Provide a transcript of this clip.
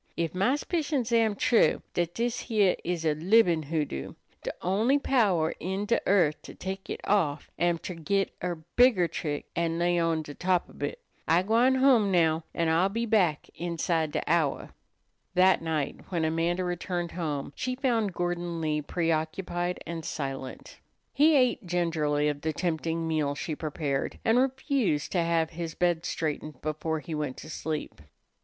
Ef my 'spicions am true, dat dis heah is a libin' hoodoo, de only power in de earth to tek it off am ter git er bigger trick an' lay on de top ob hit. I'm gwine home now, an' I'll be back inside de hour." That night when Amanda returned home she found Gordon Lee preoccupied and silent. He ate gingerly of the tempting meal she prepared, and refused to have his bed straightened before he went to sleep.